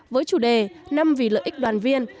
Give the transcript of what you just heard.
với chủ đề năm vì lợi ích đoàn viên